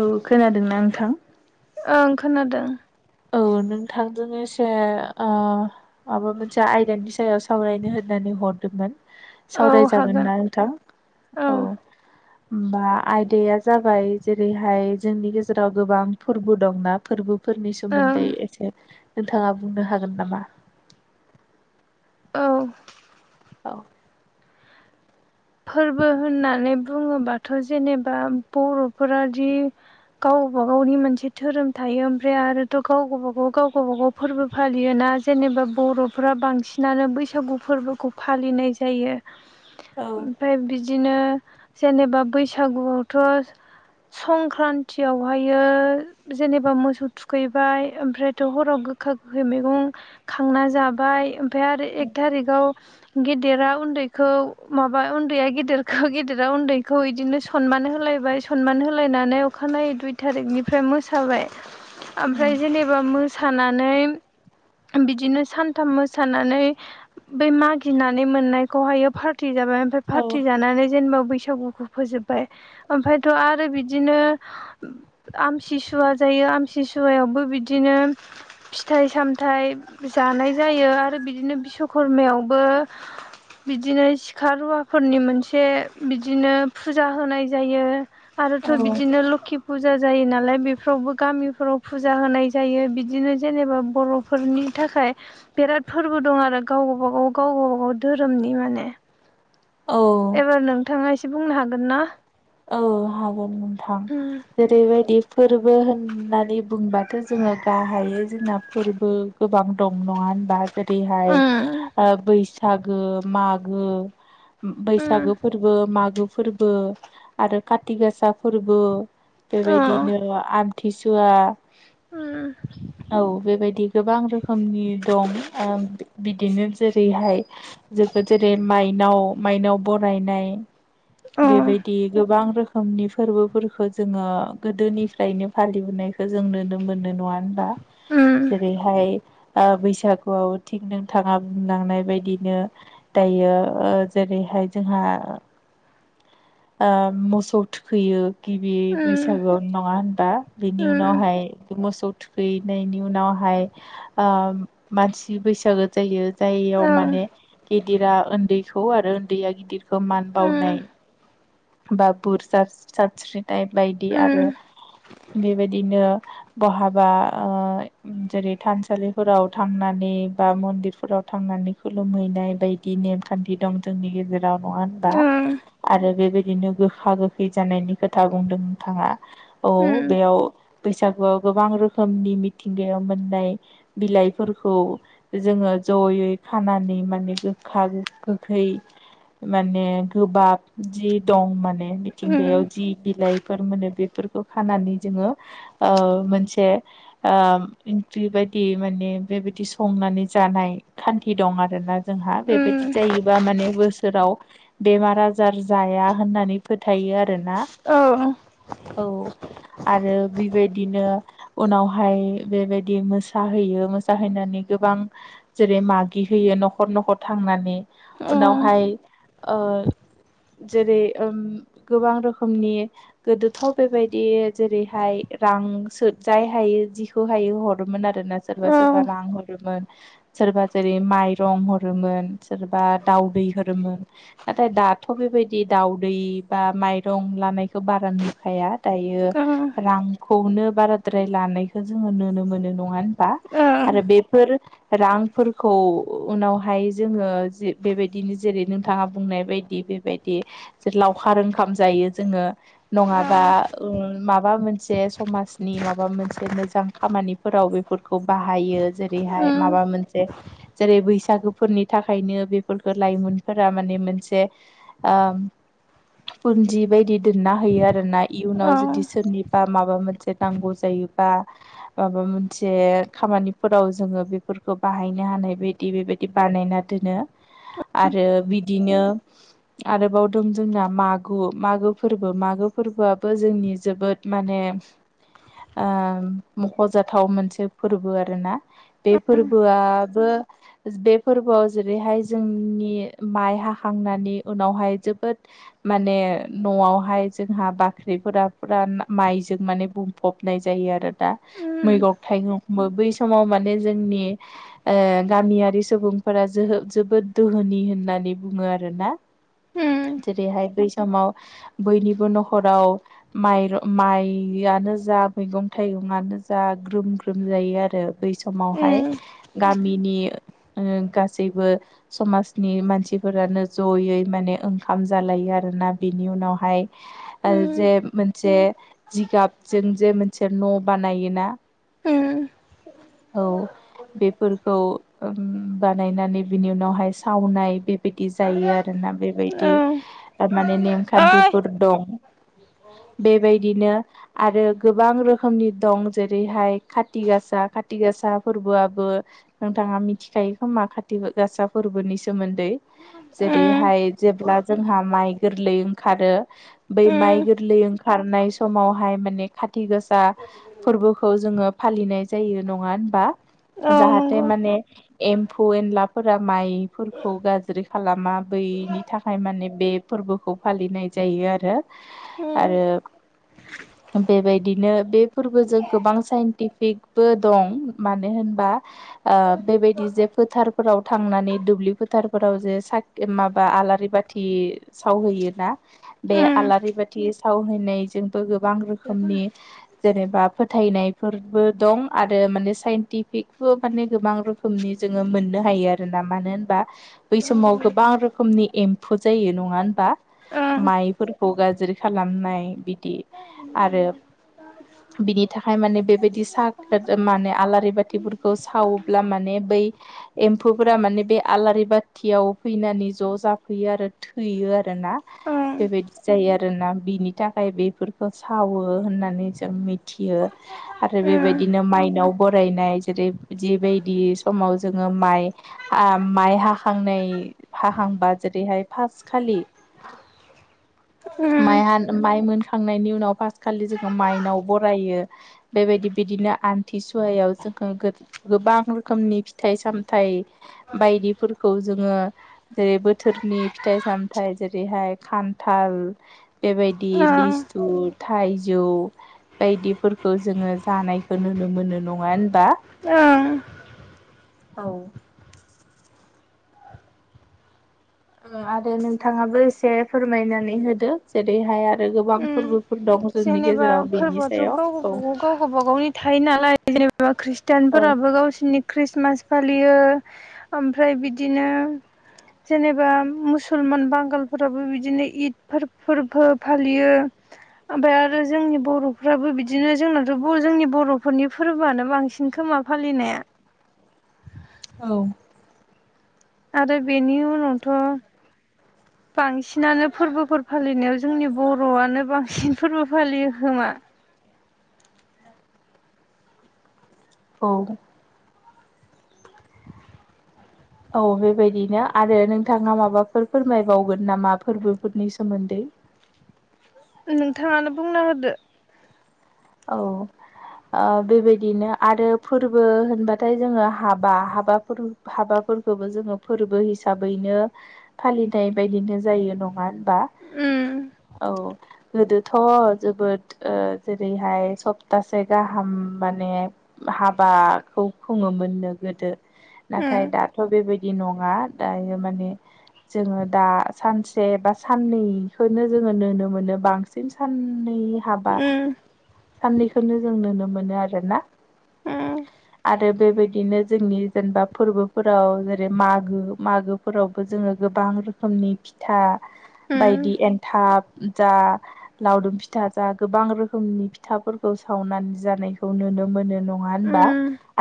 औ खोनादोंना नोंथां ओं खोनादों औ नोंथांजों एसे ओ माबा मोनसे आयदानि सायाव सावरायनो होननानै हरदोंमोन औ सावरायजागोन हागोन ना नोंथां औ होमबा आयदाया जाबाय जेरैहाय जोंनि गेजेराव गोबां फोरबो दंना फोरबोफोर सोमोन्दै ओं एसे नोंथाङा बुंनो हागोन नामा औ औ फोरबो होननानै बुङोबाथ' जेनेबा बर'फोरादि गाव गावबागावनि मोनसे धोरोम थायो ओमफ्राय आरोथ गाव गावबागाव गाव गावबागाव फोरबो फालियो ना जेनेबा बर'फोरा बांसिनानो बैसागु फोरबोखौ फालिनाय जायो औ ओमफ्राय बिदिनो जेनेबा बैसागुआवथ' संक्रान्तियावहायो जेनेबा मोसौ थुखैबाय ओमफ्रायथ' हराव गोखा गोखै मैगं खांना जाबाय ओमफय आरो एक थारिकाव गेदेरा उनदैखौ माबा उन्दैया गेदेरखौ गेदेरा उन्दैखौ इदिनो सनमान होलायबाय सनमान होलायनानै अखानायै नायै दुइ थारिखनिफ्राय मोसाबाय ओमफ्राय जेनेबा मोसानानै [inaudible] बिदिनो सानथाम मोसानानै बै मागिनानै मोननायखौहायो फा रटि जाबाय ओमफ्राय औ पार्टि जेनेबा बैसाग बैसागुखौ फोजोबबाय ओमफ्रायथ' आरो बिदिनो आमसिसुवा जायो गमसिसुवायावबो बिदिनो फिथाइ सामथाइ जानाय जायो आरो बिदिनो बिदिनो बिश्वकर्मायावबो बिदिनो सिखा रुवाफोरनि मोनसे बिदिनो फुजा होनाय जायो आरोथ' औ बिदिनो लकि फुजा जायो नालाय बेफोरावबो गामिफोराव फुजा होनाय जायो बिदिनो जेनेबा बर'फोरनि थाखाय बिराद फोरबो दं आरो गाव गावबागाव गाव गावबागाव धोरोमनि माने औ एबार नोंथाङा एसे बुंनो हागोन ना औ हागोन नोंथां उम जेरैबायदि फोरबो होननानै बुंबाथ' जोङो गाहाइयै जोंना फोरबो गोबां दं नङा होनबा जेरैहाय उम ओ बैसागो मागो उम बैसागो फोरबो मागो फोरबो आरो काति गासा फोरबो अ बेबायदिनो आमथिसुवा उम औ बेबायदि गोबां रोखोमनि दं ओ बिदिनो जेरैहाय जङो जेरै माइ नाव माइनाव बरायनाय अ बेबायदि गोबां रोखोमनि फोरबोफोरखौ जोङो गोदोनिफ्रायनो फालिबोनायखौ जों नुनो मोनो नङा नङा होनबा औ नंगौ जेरैहाय ओ बैसागुआव थिग नोंथाङा बुंलांनाय बायदिनो दायो ओ जेरै हाय जोंहा ओ मोसौ थुखैयो गिबि बैसागु नङाषहोनबा बिनि ओं उनावहाय मोसौ थुखैनायनि उनावहाय ओ मानसि बैसागो जायो जाययाव माने गिदिरा ओन्दैखौ आरो ओन्दैया गिदिर मान बावनाय बा बोर सारस्रि नाइ बायदि ओं आरो बेबायदिनो बहाबा जेरै थानसालिफोराव थांनानै बा मन्दिरफोराव थांनानै खुलुमहैनाय बायदि नेमखान्थि दं जोंनि गेजेराव नङा होनबा आरो बेबायदिनो गोखा गोखै जानायनि खोथा बुंदों नोंथाङा औ ओं बेयाव बैसागुआव गोबां रोखोमनि मिथिंगायाव मोननाय बिलाइफोरखौ जोङो जयै खानानै माने गोखा गोखै माने गोबाब जि दं माने मिथिंगायाव जि बिलाइफोर मोनो बे फोरखौ खानानै जोङो मोनसे ओंख्रि बायदि माने बेबायदि संनानै जानाय खान्थि दं आरोना जोंहा बेबायदि जायोबा माने बोसोराव बेमार आजार जाया होननानै फोथायो आरोना औ आरो बेबायदिनो उनावहाय बेबायदि मोसाहैयो मोसाहैनानै गोबां जेरै मागि होयो न'खर न'खर थांनानै उनावहाय जेरै गोबां रोखोमनि गोदोथ' बेबायदि जेरैहाय रां जाय हायो जिखौ हायो हरोमोन आरोना सोरबा सोरबा रां हरोमोन सोरबा जेरै माइरं हरोमोन सोरबा दाउदै हरोमोन नाथाय दाथ' बेबायदि बिदि दाउदै बा माइरं लानायखौ बारा नुखाया दायो रां खौनो बाराद्राय लानायखौ जोङो नुनो मोनो नङा होनबा आरो बेफोर रांफोरखौ उनावहाय जोङोे बेबायदिनो जेरै नोंथाङा बुंनाय बायदि बेबायदि लावखार ओंखाम जायो जोङो नङाबा माबा मोनसे समाजनि माबा मोनसे मोजां खामानिफोराव बेफोरखौ बाहायो जेरैहाय माबा मोनसे जेरै बैसागोफोरनि थाखायनो बेफोरखौ लाइमोनफोरा माने मोनसे पुन्जि बायदि दोनना होयो आरोना इयुनाव जुदि सोरनिबा माबा मोनसे नांगौ जायोबा माबा मोनसे खामानिफोराव जोङो बेफोरखौ खौ बाहायनो हानाय बायदि बेबायदि बानायना दोनो आरो बिदिनो आरोबाव दं जोंना मागो मागो फोरबो मागो फोरबोआबो जोंनि जोबोद माने [inaudible] मख'जाथाव मोनसे फोरबो आरोना बे फोरबोआबो बे फोरबोआव जेरैहाय जोंनि माइ हाखांनानै उनावहाय जोबोद माने न'आवहाय जोंहा बाख्रिफोरा फुरा माइ जों माने बुंफबनाय जायो आरो दा मैगं थाइगंखौबो बै समाव माने जोंनि गामियारि सुबुंफोरा जो जोबोद दोहोनि होननानै बुङो आरोना जेरैहाय बैसागु समाव बयनिबो नखराव माइ माइआनो जा मैगं थाइगं ग्रोम ग्रोम जायो आरो बै समावहाय बिनि गासैबो समाजनि मानसिफोरानो जयै ओंखाम जालायो आरोना बिनि उनावहाय जे मोनसे जिगाबजों जे मोनसे न' बानायोना औ बेफोरखौ बानायनानै बिनि उनावहाय सावनाय बेबायदि जायो आरो आरोना बेबायदि माने नेमखान्थिफोर दं बेबायदिनो आरो गोबां रोखोमनि दं जेरैहाय खाथि गासा खाथि खाथि गासा फोरबोआबो नोंथाङा मिथिखायो खोमा खाथि गासा फोरबोनि सोमोन्दै ए जेरैहाय जेब्ला जोंहा माइ गोरलै ओंखारो बै माइ गोरलै ओंखारनाय समावहाय माने खाथि गोसा फोरबोखौ जोङो फालिनाय जायो नङा होनबा जाहाथे माने एम्फौ एनलाफोरा माइफोरखौ गाज्रि खालामा बैनि थाखाय माने बे फोरबोखौ फालिनाय जायो आरो आरो बेबायदिनो बे फोरबोजों गोबां साइन्टिफिकबो दं मानो होनबा बेबायदि जे फोथारफोराव थांनानै दुब्लि फोथारफोराव जे स माबा आलारि बाथि सावहैयोना बे आलारि बाथि थाव हैनायजोंबो गोबां रोखोमनि जेनेबा फोथायनायफोरबो दं आरो माने साइन्टिफिकबो माने गोबां रोखोमनि जोङो मोनो नो हायो आरोना मानो होनबा बै समाव गोबां रोखोमनि एम्फौ जायो नङा होनोमबा माइफोरखौ गाज्रि खालामनाय बिदि आरो बिनि थाखाय माने बेबायदि सा माने आलारि बाथिफोरखौ सावोब्ला माने ब एम्फौफोरा माने बे आलारि बाथियाव फैनानै ज जाफैयो आरो थैयो आरो ना बेबायदि जायो आरोना बिनि थाखाय बेफोरखौ सावो होननानै जों मियो आरो बेबायदिनो मनाव बरायनाय जेरै जिबायदि समाव जोङो माइ माइ हाखांनाय फाहांबा जेरैहाय फास्ट खालि माइ हानो माइ मोन थांनायनि उनाव फास्ट खालि जोङो माइनाव बरायो बेबायदि बिदिनो आमथिसुवायाव जों गोबां रोखोमनि फिथाइ सामथाइ बायदिफोरखौ जोङो जेरै बोथोरनि फिथाइ सामथायाइ जेरैहाय खान्थाल बेबायदि ओं लिसु थाइजौ बायदिफोरखौ जोङो जानायखौ नुनो मोनो नङा होनबा ओं औ आरो नोंथाङाबो एसे फोरमायनानै होदो जेरैहाय आरो गोबां ओं फोरबो जेनेबा फोरबोआथ गाव औ गबागाव गाव गबाागावनि थायो नालाय जेनेबा औ खृष्टिानफोराबो गावसोरनि ख्रिस्टमास फालियो ओमफ्राय बिदिनो जेनेबा मुसलमान बांगालफोराबो बिदिनो इद फोरबो फालियो ओमफ्राय आरो जोंनि बर'फ्राबो बिदिनो जोंनाथ जोंनि बर'फोरनि फोरबोआनो बांसिन खोमा फालिनाया औ आरो बेनिउनावथ [inaudible] बांसिनानो फोरबोफोर फालिनायाव जोंनि बर'आनो बांसिन फोरबो फालियो खोमा औ औ बेबायदिनो आरो नोंथाङा माबाफोर फोरमायबावगोन नामा फोरबोफोरनि सोमोन्दै [inaudible] नोंथाङानो बुंना होदो औ बेबायदिनो आरो फोरबो होनबाथाय जोङो हाबा हाबाफोर हाबाफोर फोरखबो जोङो फोरबो हिसाबैनो फालिनाय बायदिनो जायो नङा उम औ गोदोथ जोबोद ओरैहाय सप्तासे गाहाम माने हाबाखौ खुङोमोननो गोदो उम नाथाय दाथ बेबायदि नङा दायो माने जोङो दा सानसे बा साननैखौनो जोङो नुनो मोनो बांसिन सान साननै हाबा ओं साननैखौनो जों नुनो मोनो आरोना ओं आरो बेबायदिनो जोंनि जेनेबा फोरबोफोराव जेरै मागो मागोफोरावबो जोङो गोबां गोबां रोखोमनि फिथा ओं बायदि एन्थाब जा लावदुम फिथा जा गोबां रोखोमनि फिथाफोरखौ सावनानै जानायखौ नुनो मोनो नङा होनबा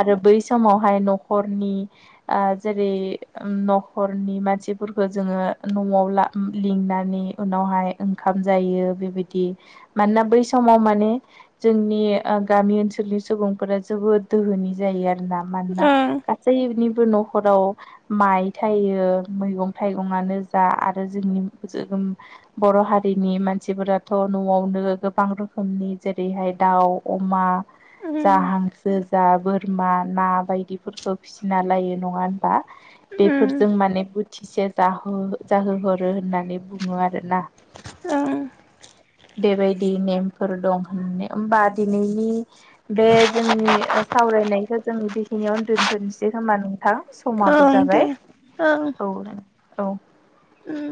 आरो बै समावहाय नखर हरनि जेरै न'खरनि मानसिफोरखौ जोङो न'आव ला लिंनानै उनावहाय ओंखाम जायो बेबायदि मानोना बै समाव माने जोंनि गामि ओनसोलनि सुबुंफोरा जोबोद दोहोनि जायो आरो मानोना गासैनि न'खराव माइ थायो मैगं थाइगंनो जा आरो जोंनि बर' हारिनि मानसिफोराथ न'आवनो गोबां रोखोमनि जेरैहाय दाउ अमा जा ओं हांसो जा बोरमा ना बायदिफोरखौ फिसिना लायो नङा होनबा बेफोरजों माने थिसे जहो जाहोहरो होननानै बुङो आरोना ओ बेबायदि नेमफोर दं ओमबा दिनैनि बे जोंनि सावरायनायखो जों बेखिनियावनो दोन दोननोसै खोमा नोंथां समाबो ओं जाबाय दे औ नों औ ओम